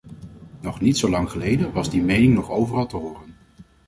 Nog niet zo lang geleden was die mening nog overal te horen.